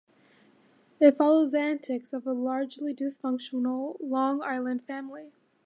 It follows the antics of a largely dysfunctional Long Island family.